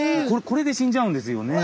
これで死んじゃうんですよね。